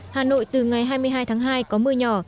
hà nội từ ngày hai mươi hai tháng hai có mưa nhỏ